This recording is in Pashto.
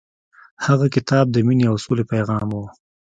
هغه کتاب د مینې او سولې پیغام و.